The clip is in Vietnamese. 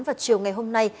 và chiều ngày hôm nay